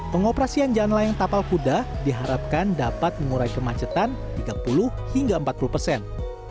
pengoperasian jalan layang tapal kuda diharapkan dapat mengurai kemacetan tiga puluh hingga empat puluh persen